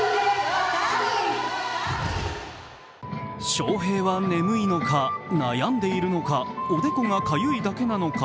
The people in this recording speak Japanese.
翔平は眠いのか、悩んでいるのか、おでこがかゆいだけなのか？